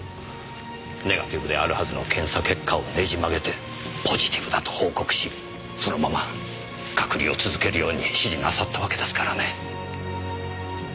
ネガティブであるはずの検査結果をねじ曲げてポジティブだと報告しそのまま隔離を続けるように指示なさったわけですからね。